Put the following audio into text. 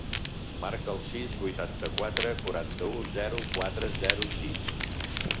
Marca el sis, vuitanta-quatre, quaranta-u, zero, quatre, zero, sis.